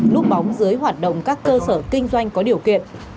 núp bóng dưới hoạt động các cơ sở kinh doanh có điều kiện